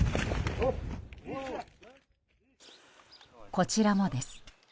こちらもです。